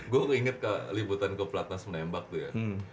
gue inget ke liputan ke platnas menembak tuh ya